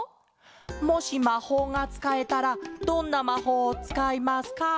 「もしまほうがつかえたらどんなまほうをつかいますか？」。